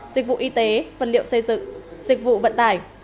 dịch vụ y tế vật liệu xây dựng dịch vụ vận tải